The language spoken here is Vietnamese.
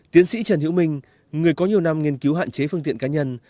tiến sĩ trần hữu minh người có nhiều năm nghiên cứu hạn chế phương tiện cá nhân